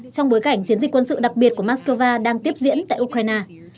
trong bối cảnh chiến dịch quân sự đặc biệt của moscow đang tiếp diễn tại ukraine